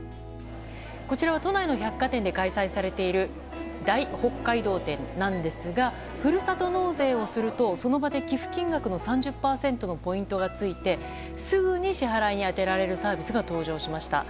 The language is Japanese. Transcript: こちらは都内の百貨店で開催されている大北海道展なんですがふるさと納税をするとその場で寄付金額の３０％のポイントが付いてすぐに支払いに充てられるサービスが登場しました。